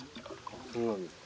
そうなんですか。